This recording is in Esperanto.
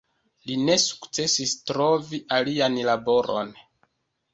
Li ne sukcesis trovi alian laboron.